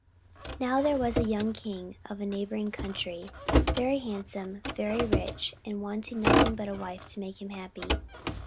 Now there was a young king of a neighbouring country, very handsome, very rich, and wanting nothing but a wife to make him happy.